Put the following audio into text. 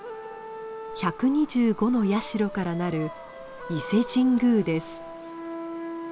１２５の社から成る伊勢神宮です。